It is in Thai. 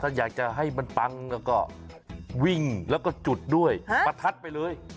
ถ้าอยากจะให้มันปังก็วิ่งแล้วก็จุดด้วยประทัดไปเลย